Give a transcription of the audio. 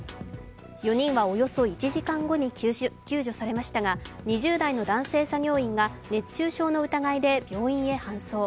４人はおよそ１時間後に救助されましたが２０代の男性作業員が熱中症の疑いで病院へ搬送。